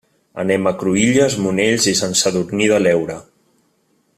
Anem a Cruïlles, Monells i Sant Sadurní de l'Heura.